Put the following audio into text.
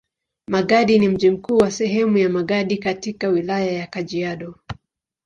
Magadi ni mji mkuu wa sehemu ya Magadi katika Wilaya ya Kajiado.